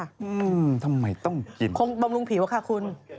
อืมทำไมต้องกินคงบำรุงผิวอะค่ะคุณ